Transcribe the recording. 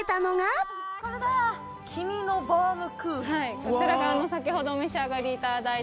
こちらが先ほどお召し上がり頂いた